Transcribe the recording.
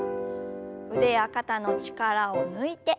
腕や肩の力を抜いて。